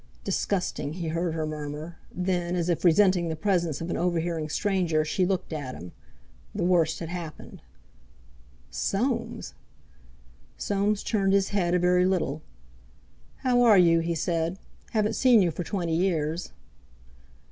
"Disgusting!" he heard her murmur; then, as if resenting the presence of an overhearing stranger, she looked at him. The worst had happened. "Soames!" Soames turned his head a very little. "How are you?" he said. "Haven't seen you for twenty years."